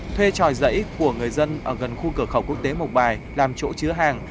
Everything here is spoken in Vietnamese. thuê tròi dãy của người dân ở gần khu cửa khẩu quốc tế mộc bài làm chỗ chứa hàng